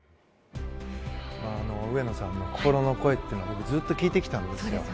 上野さんの心の声というのを僕、ずっと聞いてきたんですよ。